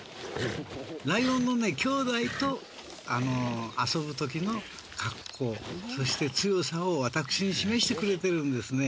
ライオンのきょうだいと遊ぶときの格好そして強さを私に示してくれてるんですね。